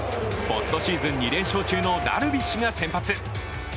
ポストシーズン２連勝中のダルビッシュ投手が先発。